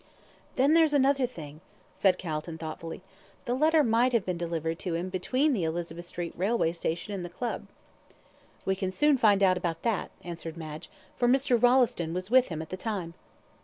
"Then there's another thing," said Calton, thoughtfully. "The letter might, have been delivered to him between the Elizabeth Street Railway Station and the Club." "We can soon find out about that," answered Madge; "for Mr. Rolleston was with him at the time."